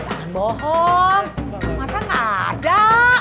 tahan bohong masa enggak ada